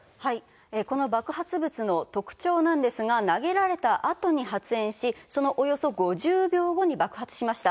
この爆発物の特徴なんですが、投げられたあとに発煙し、そのおよそ５０秒後に爆発しました。